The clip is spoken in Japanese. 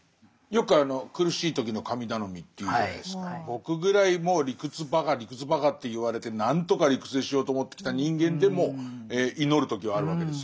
僕ぐらいもう理屈バカ理屈バカと言われて何とか理屈にしようと思ってきた人間でも祈る時はあるわけですよ。